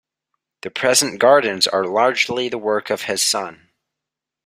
The present gardens are largely the work of his son.